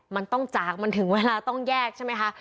มันต้องจากมันถึงเวลาต้องแยกใช่ไหมคะ